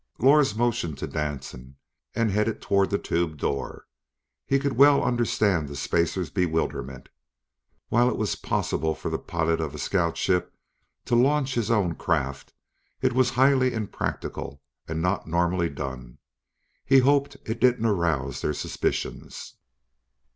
Lors motioned to Danson and headed toward the tube door. He could well understand the spacer's bewilderment. While it was possible for the pilot of a scout ship to launch his own craft, it was highly impractical and not normally done. He hoped it didn't arouse their suspicions.